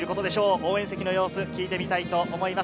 応援席の様子、聞いてみたいと思います。